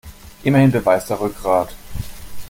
Immerhin beweist er Rückgrat.